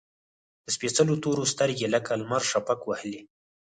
د سپیڅلو تورو، سترګې لکه لمر شفق وهلي